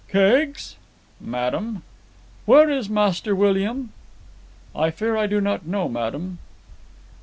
"Keggs." "Madam?" "Where is Master William?" "I fear I do not know, madam."